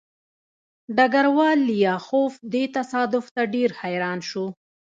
ډګروال لیاخوف دې تصادف ته ډېر حیران شو